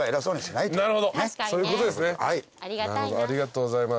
なるほどありがとうございます。